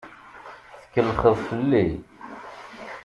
Tkellxeḍ fell-i.